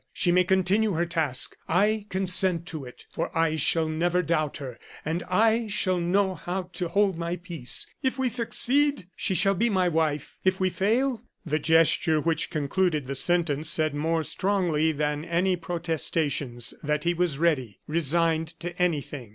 She may continue her task. I consent to it, for I shall never doubt her, and I shall know how to hold my peace. If we succeed, she shall be my wife; if we fail " The gesture which concluded the sentence said more strongly than any protestations, that he was ready, resigned to anything.